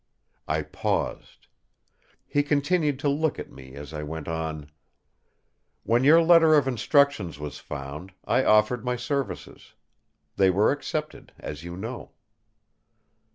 I paused. He continued to look at me as I went on: "When your letter of instructions was found, I offered my services. They were accepted, as you know."